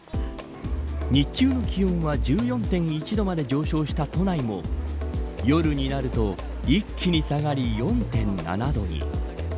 日中の気温は１４．１度まで上昇した都内も夜になると一気に下がり４．７度に。